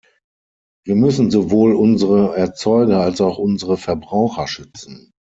Wir müssen sowohl unsere Erzeuger als auch unsere Verbraucher schützen.